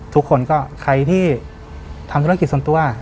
ทุกคนก็ใครที่ทำธุรกิจส่วนตัว